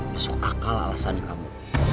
masuk akal alasan kamu